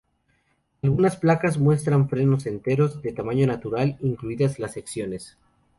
Algunas placas muestran frutos enteros, de tamaño natural, incluidas las secciones.